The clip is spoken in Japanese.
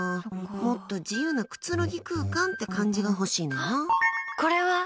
もっと自由なくつろぎ空間が欲しいねんな。